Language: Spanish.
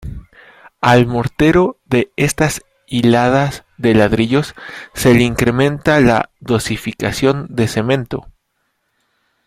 Al mortero de estas hiladas de ladrillos se le incrementa la dosificación de cemento.